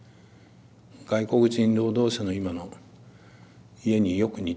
外国人労働者の今の家によく似てるんだよ。